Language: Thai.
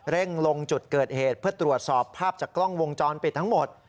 ลงจุดเกิดเหตุเพื่อตรวจสอบภาพจากกล้องวงจรปิดทั้งหมด